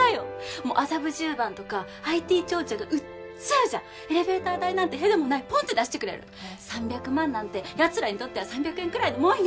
もう麻布十番とかＩＴ長者がウッジャウジャエレベーター代なんてへでもないポンって出してくれる３００万なんてやつらにとっては３００円くらいのもんよ